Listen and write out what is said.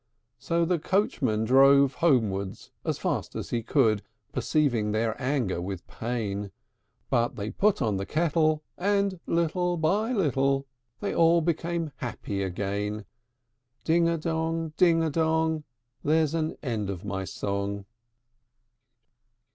So the coachman drove homeward as fast as he could, Perceiving their anger with pain; But they put on the kettle, and little by little They all became happy again. Ding a dong, ding a dong! There's an end of my song.